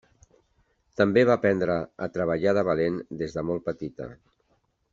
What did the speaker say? També va aprendre a treballar de valent des de molt petita.